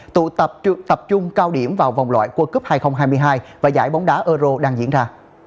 tụ tập trung cao điểm vào vòng loại world cup hai nghìn hai mươi hai và giải bóng đá euro đang diễn ra